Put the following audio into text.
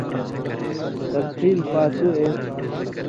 تفصیل پاتُو اے تھُو۔